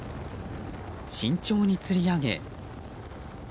慎重につり上げ。